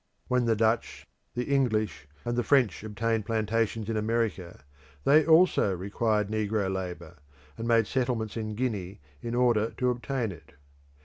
When the Dutch, the English, and the French obtained plantations in America, they also required negro labour, and made settlements in Guinea in order to obtain it.